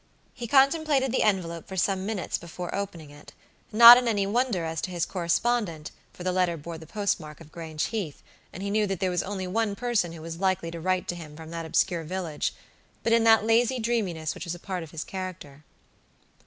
He contemplated the envelope for some minutes before opening itnot in any wonder as to his correspondent, for the letter bore the postmark of Grange Heath, and he knew that there was only one person who was likely to write to him from that obscure village, but in that lazy dreaminess which was a part of his character.